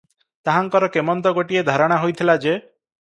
ତାହାଙ୍କର କେମନ୍ତ ଗୋଟିଏ ଧାରଣା ହୋଇଥିଲା ଯେ